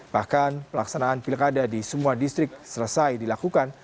bahkan pelaksanaan pilkada di semua distrik selesai dilakukan